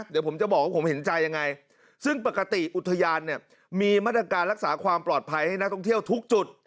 เดี๋ยวผมจะบอกว่าผมเห็นใจยังไงซึ่งปกติอุทยานเนี่ยมีมาตรการรักษาความปลอดภัยให้นักท่องเที่ยวทุกจุด